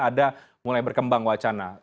ada mulai berkembang wacana